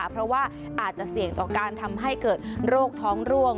เพราะว่าอาจจะเสี่ยงต่อการทำให้เกิดโรคท้องร่วง